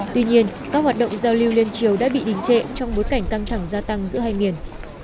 tuy nhiên các hoạt động giao lưu liên triều đã bị đình trệ trong bối cảnh căng thẳng gia tăng giữa hai miền